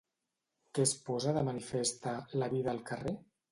Què es posa de manifest a “La vida al carrer”?